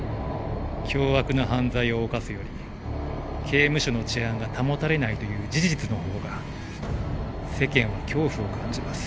凶悪な犯罪を犯すより刑務所の治安が保たれないという事実の方が世間は恐怖を感じます。